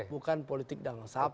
bukan politik dengan sapi